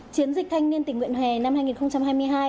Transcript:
chiến dịch thanh niên tỉnh nguyện hè năm hai nghìn hai mươi hai